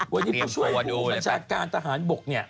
วันนี้ที่ดูคุณผู้มัชการทหารบกนี่